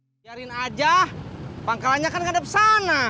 ajarin aja pangkalannya kan ada pesan nah